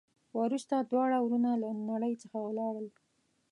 وروسته دواړه ورونه له نړۍ څخه ولاړل.